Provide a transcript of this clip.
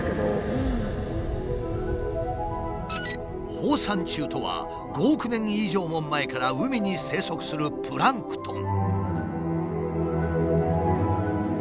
放散虫とは５億年以上も前から海に生息するプランクトン。